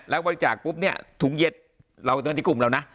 แล้วบริจาคปุ๊บเนี่ยถุงเย็นเราต้องที่กลุ่มเรานะ